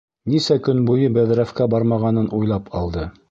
Нисә көн буйы бәҙрәфкә бармағанын уйлап алды.